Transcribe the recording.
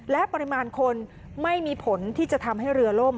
และปริมาณคนไม่มีผลที่จะทำให้เรือล่ม